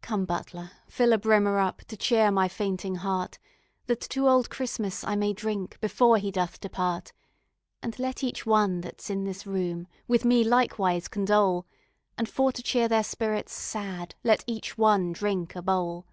Come, butler, fill a brimmer up To cheer my fainting heart, That to old Christmas I may drink Before he doth depart; And let each one that's in this room With me likewise condole, And for to cheer their spirits sad Let each one drink a bowl.